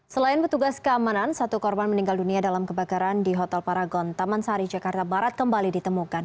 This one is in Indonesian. selain petugas keamanan satu korban meninggal dunia dalam kebakaran di hotel paragon taman sari jakarta barat kembali ditemukan